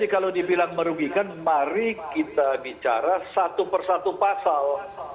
itu bilang merugikan mari kita bicara satu persatu pasal